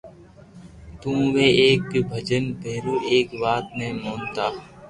تو اووي ايڪ ڀجن ڀيرو ايڪ وات ني مونتا